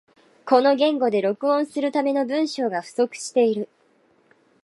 この言語で録音するための文章が不足している